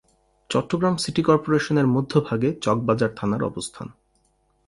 Chittagong city কর্পোরেশনের মধ্যভাগে চকবাজার থানার অবস্থান।